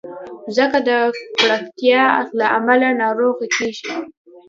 مځکه د ککړتیا له امله ناروغه کېږي.